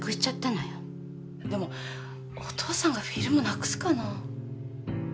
でもお父さんがフィルムなくすかな？